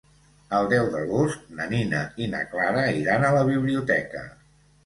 El deu d'agost na Nina i na Clara iran a la biblioteca.